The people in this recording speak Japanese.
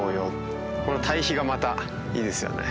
この対比がまたいいですよね。